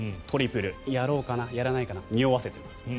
トリプルをやろうかな、やらないかなにおわせています。